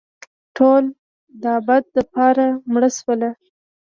ټول دابد دپاره مړه شوله